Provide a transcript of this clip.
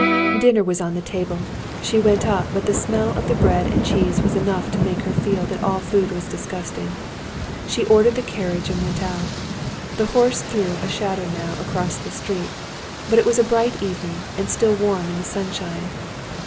Dinner was on the table; she went up, but the smell of the bread and cheese was enough to make her feel that all food was disgusting. She ordered the carriage and went out. The house threw a shadow now right across the street, but it was a bright evening and still warm in the sunshine.